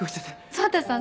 蒼太さん